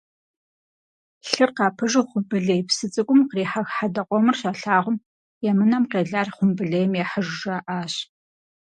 Лъыр къапыжу Хъумбылей псы цӀыкӀум кърихьэх хьэдэ къомыр щалъагъум «Емынэм къелар хъумбылейм ехьыж» жаӏащ.